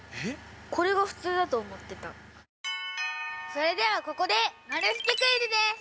それでは、ここで丸つけクイズです。